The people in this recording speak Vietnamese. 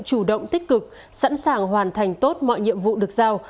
chủ động tích cực sẵn sàng hoàn thành tốt mọi nhiệm vụ được giao